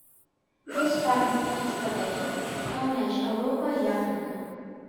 És part d'un eix estratègic que uneix Europa i Àfrica.